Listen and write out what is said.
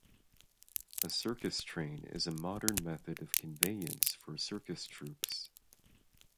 A circus train is a modern method of conveyance for circus troupes.